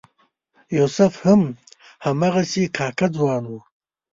یوسف هم هماغسې کاکه ځوان و.